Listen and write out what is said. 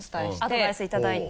アドバイスいただいて。